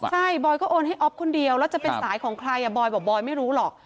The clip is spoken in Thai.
ใช่บอยก็โอนให้อ๊อฟคนเดียวแล้วจะเป็นสายของใครบอยบอกบอยไม่รู้หรอก